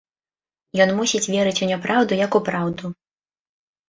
Ён мусіць верыць у няпраўду як у праўду.